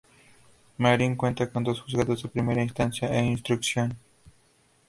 Marín cuenta con dos Juzgados de Primera Instancia e Instrucción.